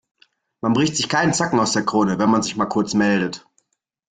Man bricht sich keinen Zacken aus der Krone, wenn man sich mal kurz meldet.